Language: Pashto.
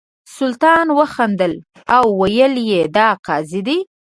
سلطان وخندل او ویل یې دا قاضي دی.